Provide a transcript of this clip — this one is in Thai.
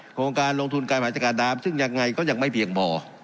โครงการลงทุนการมาจัดการน้ำซึ่งยังไงก็ยังไม่เพียงพอ